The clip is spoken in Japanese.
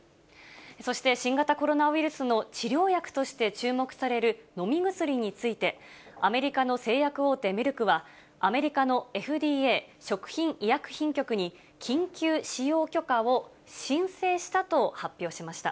そして新型コロナウイルスの治療薬として注目される飲み薬について、アメリカの製薬大手、メルクは、アメリカのＦＤＡ・食品医薬品局に、緊急使用許可を申請したと発表しました。